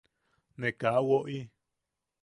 –Ne kaa woʼi.